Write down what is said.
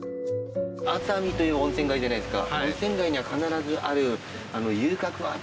熱海という温泉街じゃないですか。